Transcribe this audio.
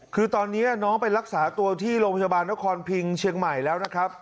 คือตอนนี้น้องไปรักษาตัวที่โรงพยาบาลนครพิงเชียงใหม่แล้วนะครับ